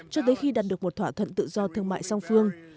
cho tới khi đạt được một thỏa thuận tự do thương mại song phương